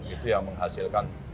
itu yang menghasilkan